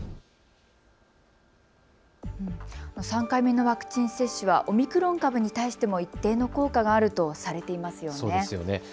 ３回目のワクチン接種はオミクロン株に対しても一定の効果があるとされていますよね。